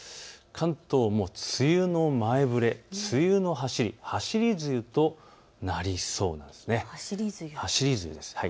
関東も梅雨の前触れ、梅雨のはしり、はしり梅雨となりそうです。